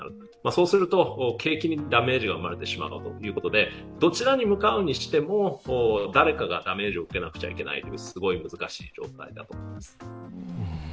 そうすると景気にダメージが生まれてしまうということでどちらに向かうにしても誰かがダメージを受けなくちゃいけないというすごい難しい状態だと思います。